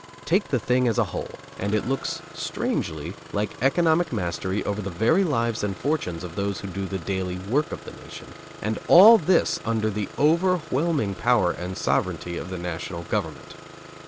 Take the thing as a whole, and it looks strangely like economic mastery over the very lives and fortunes of those who do the daily work of the nation; and all this under the overwhelming power and sovereignty of the national government.